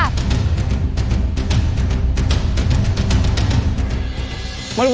ขอบคุณมากค่ะ